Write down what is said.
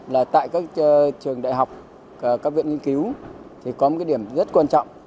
là tại các trường đại học các viện nghiên cứu thì có một cái điểm rất quan trọng